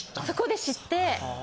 そこで知って。